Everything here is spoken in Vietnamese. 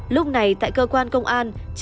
lúc này tại cơ quan công an yêu cầu